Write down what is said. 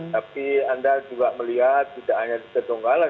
tapi anda juga melihat tidak hanya di donggala